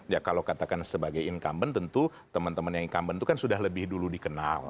ya kalau katakan sebagai incumbent tentu teman teman yang incumbent itu kan sudah lebih dulu dikenal